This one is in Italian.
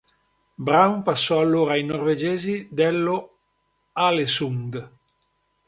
Brown passò allora ai norvegesi dello Aalesund.